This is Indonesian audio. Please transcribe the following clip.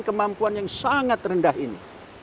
kemampuan yang sangat rendah ini